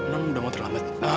non udah mau terlambat